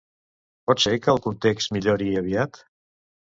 Pot ser que el context millori aviat?